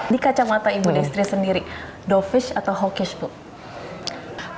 di kacamata ibu destri sendiri dovish atau hawkish bu